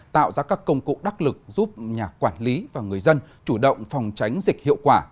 tạo ra các công cụ đắc lực giúp nhà quản lý và người dân chủ động phòng tránh dịch hiệu quả